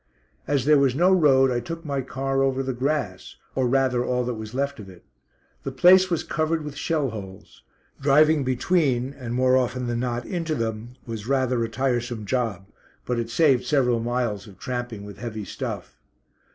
As there was no road I took my car over the grass, or rather all that was left of it. The place was covered with shell holes. Driving between, and more often than not into them, was rather a tiresome job, but it saved several miles of tramping with heavy stuff.